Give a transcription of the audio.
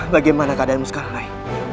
bagaimana keadaanmu sekarang rai